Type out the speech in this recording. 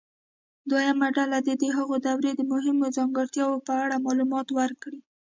دویمه ډله دې د هغې دورې د مهمو ځانګړتیاوو په اړه معلومات ورکړي.